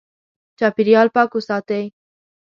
چاپېریال پاک وساتې.